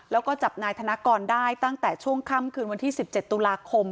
แล้วก็จับนายธนกรได้ตั้งแต่ช่วงค่ำคืนวันที่๑๗ตุลาคม